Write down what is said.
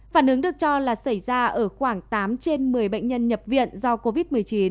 phản ứng được cho là xảy ra ở khoảng tám trên một mươi bệnh nhân nhập viện do covid một mươi chín